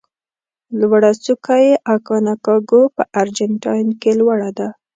لوړه څوکه یې اکانکاګو په ارجنتاین کې لوړه ده.